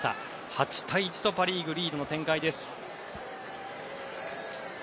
８対１とパ・リーグリードの展開です。